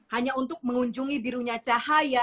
hanya untuk mengunjungi birunya cahaya